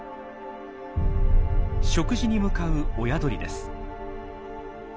食事に向かう親鳥です。